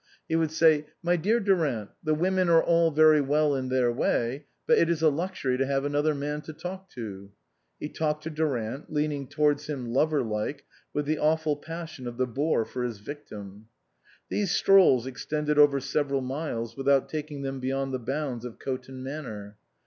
He would say, "My dear Durant, the women are all very well in their way, but it is a luxury to have another man to talk to." He talked to Durant, leaning towards him lover like, with the awful passion of the bore for his victim. These strolls extended over several miles, with out taking them beyond the bounds of Coton Manor.